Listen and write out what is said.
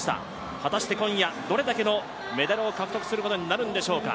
果たして今夜、どれだけのメダルを獲得することになるんでしょうか。